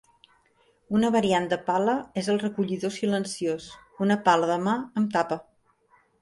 Una variant de pala és el recollidor silenciós, una pala de mà amb tapa.